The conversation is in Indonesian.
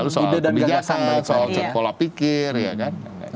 selalu soal kebiasaan soal cek pola pikir ya kan